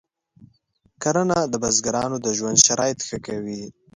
کرنه د بزګرانو د ژوند شرایط ښه کوي.